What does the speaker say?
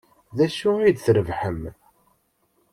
D acu ay d-trebḥem?